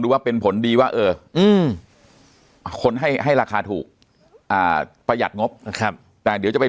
ว่าเป็นผลดีว่าเออคนให้ให้ราคาถูกประหยัดงบแต่เดี๋ยวจะไป